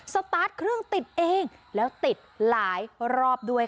สตาร์ทเครื่องติดเองแล้วติดหลายรอบด้วยค่ะ